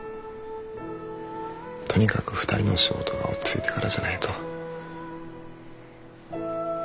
とにかく２人の仕事が落ち着いてからじゃないと。